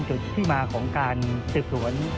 จุดที่ว่าสดสน